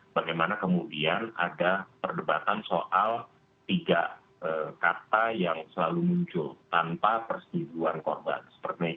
bagaimana kemudian ada perdebatan soal tiga kata yang selalu muncul tanpa persegituan korban